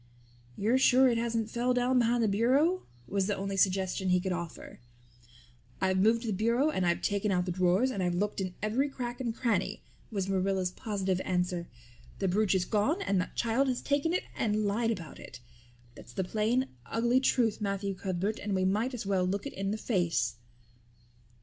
"You're sure it hasn't fell down behind the bureau?" was the only suggestion he could offer. "I've moved the bureau and I've taken out the drawers and I've looked in every crack and cranny" was Marilla's positive answer. "The brooch is gone and that child has taken it and lied about it. That's the plain, ugly truth, Matthew Cuthbert, and we might as well look it in the face."